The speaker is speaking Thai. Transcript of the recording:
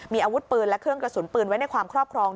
มีอาวุธปืนและเครื่องกระสุนปืนไว้ในความครอบครอง